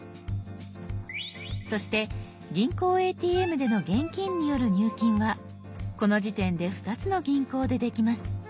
そして「銀行ＡＴＭ」での現金による入金はこの時点で２つの銀行でできます。